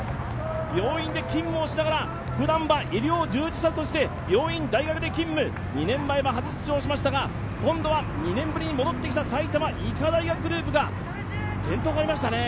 病院で勤務をしながらふだんは医療従事者として病院、大学で勤務、２年前は初出場しましたが、今度は２年ぶりに戻ってきた埼玉医科大学グループが転倒がありましたね。